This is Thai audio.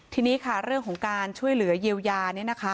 ทีนี้ค่ะเรื่องของการช่วยเหลือเยียวยาเนี่ยนะคะ